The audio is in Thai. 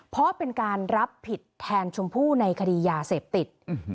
เพราะเป็นการรับผิดแทนชมพู่ในคดียาเสพติด